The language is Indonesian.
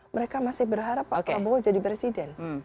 mereka masih berharap pak prabowo jadi presiden